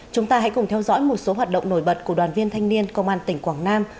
chúng ta hãy cùng theo dõi một số hoạt động nổi bật của đoàn viên thanh niên công an tỉnh quảng nam